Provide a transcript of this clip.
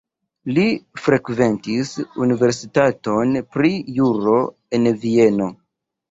Li frekventis universitaton pri juro en Vieno.